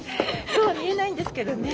そうは見えないんですけどね。